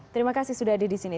terima kasih sudah ada di sini